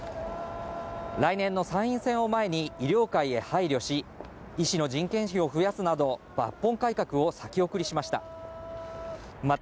来年の参院選を前に医療界へ配慮し医師の人件費を増やすなど抜本改革を先送りしました